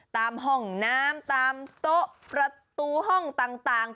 ตามห้องน้ำตามโต๊ะประตูห้องต่าง